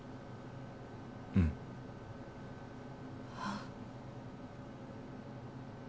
うんああ